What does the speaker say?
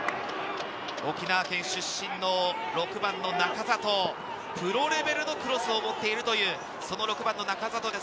沖縄県出身の６番の仲里、プロレベルのクロスを持っているという仲里です。